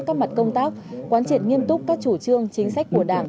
các mặt công tác quán triệt nghiêm túc các chủ trương chính sách của đảng